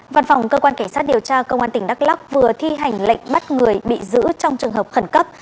văn phòng cơ quan cảnh sát điều tra công an tỉnh đắk lóc vừa thi hành lệnh bắt người bị giữ trong trường hợp khẩn cấp